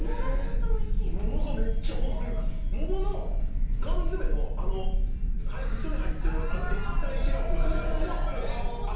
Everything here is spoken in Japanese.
桃がめっちゃほんまに桃の缶詰の、あの一緒に入ってる液体シロップ。